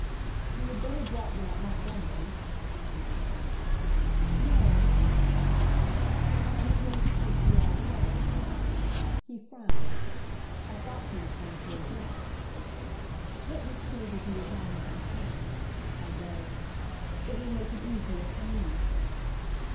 "You would better drop me at Montgomery," Johnny said. "No," I answered, "I am going to take you all the way." He frowned. I thought he was going to object. "Let me stay with you as long as I can," I begged. "It will make it easier for me."